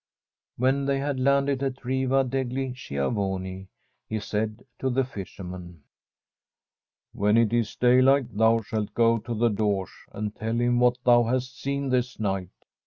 When they had landed at Riva degli Schiavoni he said to the fisherman :* When it is daylight thou shalt go to the Doge and tell him what thou hast seen this night.